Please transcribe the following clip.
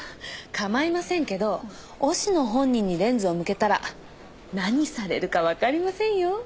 構いませんけど忍野本人にレンズを向けたら何されるかわかりませんよ。